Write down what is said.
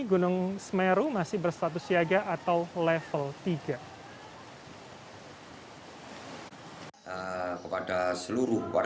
kini gunung semeru masih berstatus siaga atau level tiga